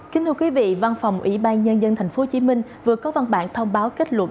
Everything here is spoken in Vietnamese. kính thưa quý vị văn phòng ủy ban nhân dân thành phố hồ chí minh vừa có văn bản thông báo kết luận